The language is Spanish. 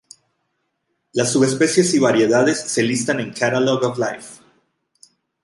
Las subespecies y variedades se listan en Catalogue of Life.